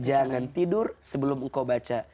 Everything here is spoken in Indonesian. jangan tidur sebelum engkau baca